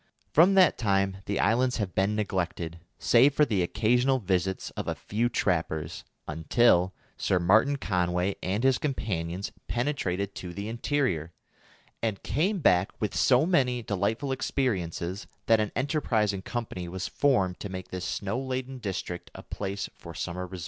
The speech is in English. From that time the islands have been neglected, save for the occasional visits of a few trappers, until Sir Martin Conway and his companions penetrated to the interior, and came back with so many delightful experiences that an enterprising company was formed to make this snow laden district a place for summer resort.